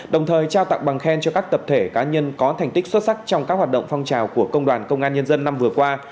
đồng thời trao tặng bằng khen cho các tập thể cá nhân có thành tích xuất sắc trong các hoạt động phong trào của công đoàn công an nhân dân năm vừa qua